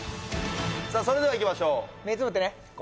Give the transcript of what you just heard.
さあそれではいきましょう昴